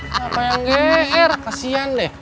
kenapa yang gr kesian deh